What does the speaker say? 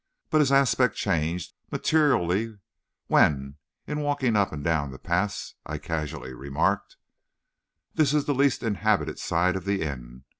But his aspect changed materially when, in walking up and down the paths, I casually remarked: "This is the least inhabited side of the inn.